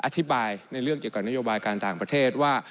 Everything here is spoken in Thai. อธิบายในเรื่องเกี่ยวกับนโยบายการต่างประเทศว่า